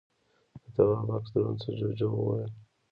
د تواب بکس دروند شو، جُوجُو وويل: